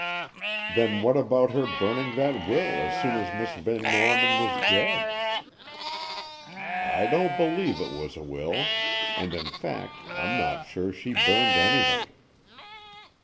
"Then what about her burning that will as soon as Miss Van Norman was dead?" "I don't believe it was a will; and, in fact, I'm not sure she burned anything."